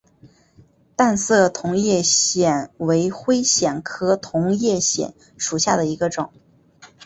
淡色同叶藓为灰藓科同叶藓属下的一个种。